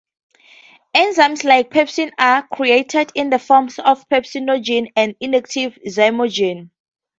Enzymes like pepsin are created in the form of pepsinogen, an inactive zymogen.